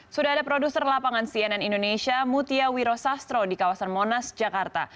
sudah ada produser lapangan cnn indonesia mutia wiro sastro di kawasan monas jakarta